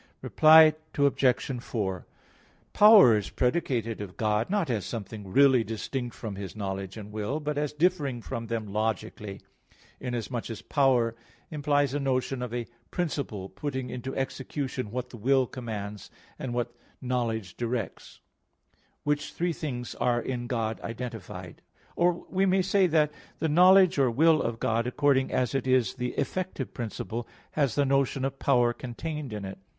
Reply Obj. 4: Power is predicated of God not as something really distinct from His knowledge and will, but as differing from them logically; inasmuch as power implies a notion of a principle putting into execution what the will commands, and what knowledge directs, which three things in God are identified. Or we may say, that the knowledge or will of God, according as it is the effective principle, has the notion of power contained in it.